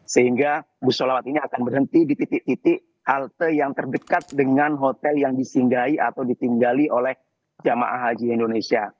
sehingga bus sholawat ini akan berhenti di titik titik halte yang terdekat dengan hotel yang disinggahi atau ditinggali oleh jemaah haji indonesia